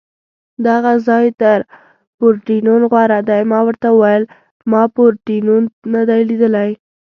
دغه ځای تر پورډېنون غوره دی، ما ورته وویل: ما پورډېنون نه دی لیدلی.